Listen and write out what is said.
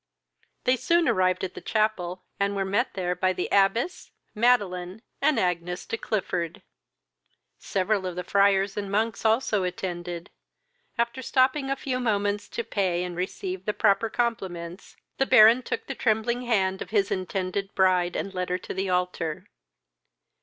They soon arrived at the chapel, and were met there by the abbess, Madeline, and Agnes de Clifford. Several of the friars and monks also attended. After stopping a few moments to pay and received the proper compliments, the Baron took the trembling hand of his intended bride, and led her to the alter.